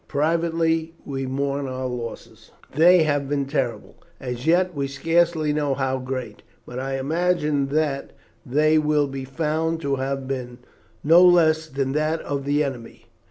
Privately, we mourn our losses. "They have been terrible. As yet we scarcely know how great; but I imagine that they will be found to have been no less than that of the enemy.